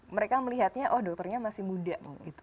mereka melihatnya oh dokternya masih muda